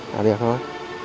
đã được thôi